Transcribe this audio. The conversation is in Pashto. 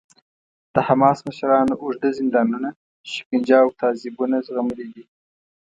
د حماس مشرانو اوږده زندانونه، شکنجه او تعذیبونه زغملي دي.